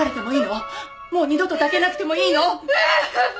もう二度と抱けなくてもいいの？